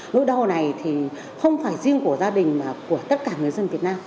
nỗi đau này thì không phải riêng của gia đình mà của tất cả người dân việt nam